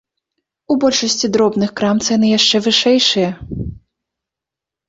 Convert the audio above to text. У большасці дробных крам цэны яшчэ вышэйшыя.